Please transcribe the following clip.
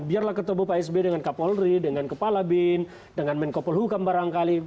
biarlah ketemu pak sby dengan kapolri dengan kepala bin dengan menkopol hukam barangkali